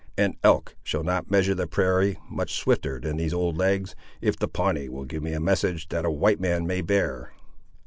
An elk shall not measure the prairie much swifter than these old legs, if the Pawnee will give me a message that a white man may bear."